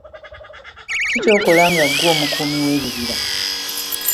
Ki ky'okola nga ggwe omukuumi w'ebibira?